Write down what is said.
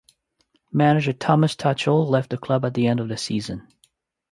Manager Thomas Tuchel left the club at the end of the season.